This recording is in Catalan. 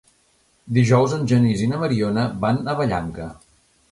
Dijous en Genís i na Mariona van a Vallanca.